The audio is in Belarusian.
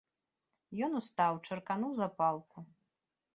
Ён устаў, чыркануў запалку.